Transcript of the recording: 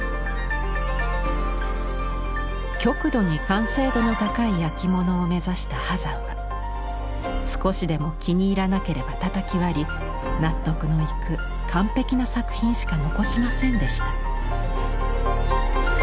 極度に完成度の高いやきものを目指した波山は少しでも気に入らなければたたき割り納得のいく完璧な作品しか残しませんでした。